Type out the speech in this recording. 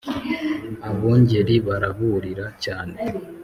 abungeri baraburira cyane